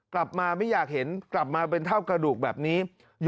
กลับมาไม่อยากเห็นกลับมาเป็นเท่ากระดูกแบบนี้